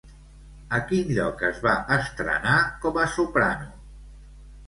A quin lloc es va estrenar com a soprano?